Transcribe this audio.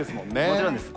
もちろんです。